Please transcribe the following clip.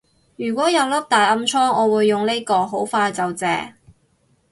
如果有粒大暗瘡我會用呢個，好快就謝